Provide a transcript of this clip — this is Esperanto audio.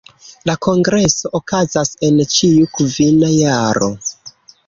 La kongreso okazas en ĉiu kvina jaro.